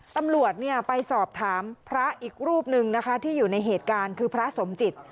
ตำรวจไปสอบถามพระอีกรูปหนึ่งนะคะที่อยู่ในเหตุการณ์คือพระสมจิต